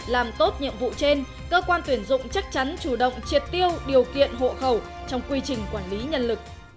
làm tốt nhiệm vụ trên cơ quan tuyển dụng chắc chắn chủ động triệt tiêu điều kiện hộ khẩu trong quy trình quản lý nhân lực